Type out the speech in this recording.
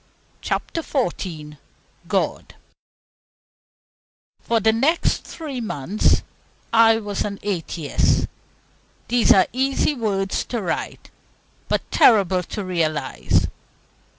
CHAPTER XIV GOD For the next three months I was an atheist! These are easy words to write, but terrible to realize.